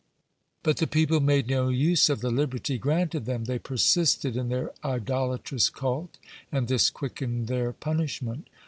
But the people made no use of the liberty granted them. They persisted in their idolatrous cult, and this quickened their punishment.